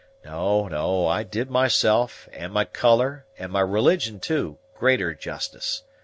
No, no, I did myself, and my color, and my religion too, greater justice.